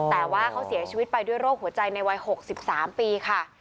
แต่ว่าเขาเสียชีวิตไปด้วยโรคหัวใจในวัย๖๓ปีค่ะ